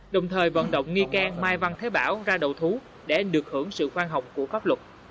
đồng thời vận động nghi can mai văn thế bảo ra đầu thú để được hưởng sự khoan hồng của pháp luật